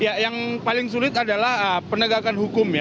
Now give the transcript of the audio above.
ya yang paling sulit adalah penegakan hukum ya